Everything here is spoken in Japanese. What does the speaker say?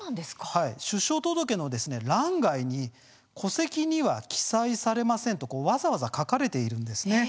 出生届の欄外に戸籍には記載されませんとわざわざ書かれているんです。